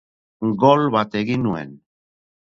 Gol bat egin nuen.